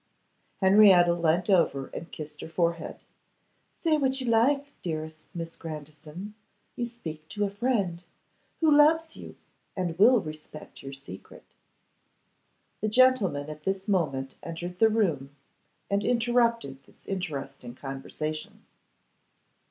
Henrietta leant over and kissed her forehead. 'Say what you like, dearest Miss Grandison; you speak to a friend, who loves you, and will respect your secret.' The gentlemen at this moment entered the room, and interrupted this interesting conversation.